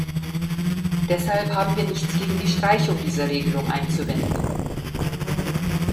Deshalb haben wir nichts gegen die Streichung dieser Regelung einzuwenden.